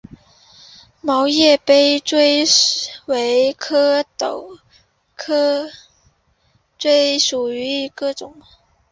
毛叶杯锥为壳斗科锥属下的一个种。